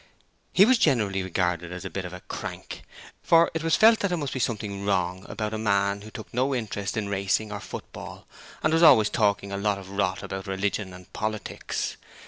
He was generally regarded as a bit of a crank: for it was felt that there must be something wrong about a man who took no interest in racing or football and was always talking a lot of rot about religion and politics.